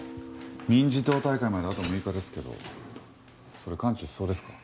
民事党大会まであと６日ですけどそれ完治しそうですか？